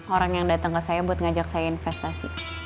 orang yang datang ke saya buat ngajak saya investasi